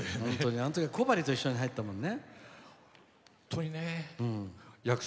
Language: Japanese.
あのときは小針と一緒に入ったもんね。